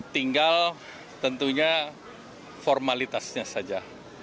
tinggal tentunya formalitasnya saja